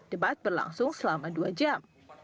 debat berlangsung selama dua jam